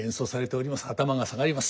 頭が下がります。